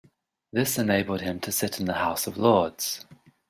This enabled him to sit in the House of Lords.